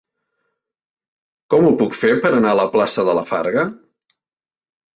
Com ho puc fer per anar a la plaça de la Farga?